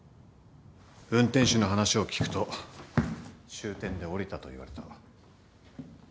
運転手の話を聞くと終点で降りたと言われた。